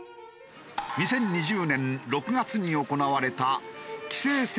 ２０２０年６月に行われた棋聖戦